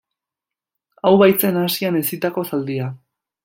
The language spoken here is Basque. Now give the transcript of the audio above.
Hau baitzen Asian hezitako zaldia.